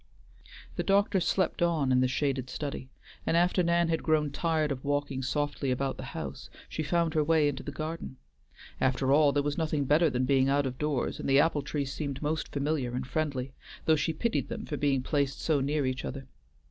The doctor slept on in the shaded study, and after Nan had grown tired of walking softly about the house, she found her way into the garden. After all, there was nothing better than being out of doors, and the apple trees seemed most familiar and friendly, though she pitied them for being placed so near each other.